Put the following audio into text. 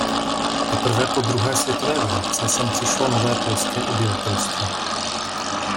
Teprve po druhé světové válce sem přišlo nové polské obyvatelstvo.